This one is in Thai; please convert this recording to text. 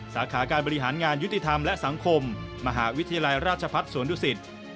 สาขาการบริหารงานยุติธรรมและสังคมมหาวิทยาลัยราชพัฒน์สวนดุสิต